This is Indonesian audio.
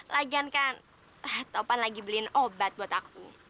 lagian kan topan lagi beliin obat buat aku